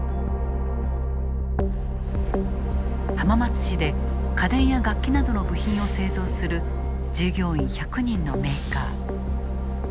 浜松市で家電や楽器などの部品を製造する従業員１００人のメーカー。